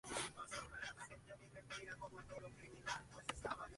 Ello debido a una recomendación de la Comisión Interamericana de Derechos Humanos.